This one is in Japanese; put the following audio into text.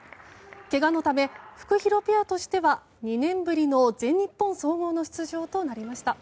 怪我のためフクヒロペアとしては２年ぶりの全日本総合の出場となりました。